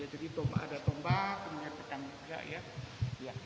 jadi ada tombak kemudian pedang juga ya